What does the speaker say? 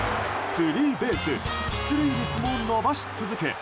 スリーベース出塁率も伸ばし続け